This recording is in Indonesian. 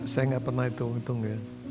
saya nggak pernah hitung hitung ya